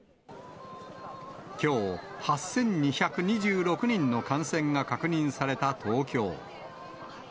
きょう、８２２６人の感染が確認された東京。